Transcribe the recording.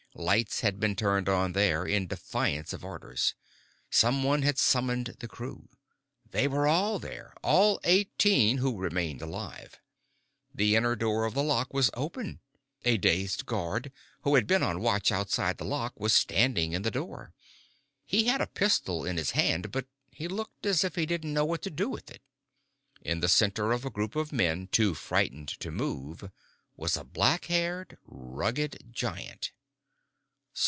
Lights had been turned on here, in defiance of orders. Someone had summoned the crew. They were all here, all eighteen who remained alive. The inner door of the lock was open. A dazed guard, who had been on watch outside the lock, was standing in the door. He had a pistol in his hand but he looked as if he didn't know what to do with it. In the center of a group of men too frightened to move was a black haired, rugged giant.